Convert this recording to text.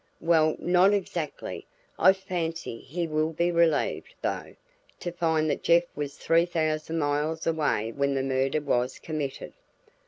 "Well, not exactly. I fancy he will be relieved, though, to find that Jeff was three thousand miles away when the murder was committed."